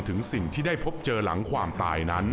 ถึงสิ่งที่ได้พบเจอหลังความตายนั้น